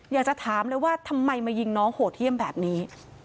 อยากจะถามเลยว่าทำไมมายิงน้องโหดเยี่ยมแบบนี้